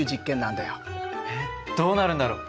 えっどうなるんだろう？